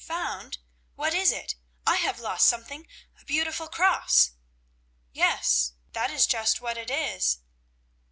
"Found? What is it? I have lost something, a beautiful cross." "Yes, that is just what it is."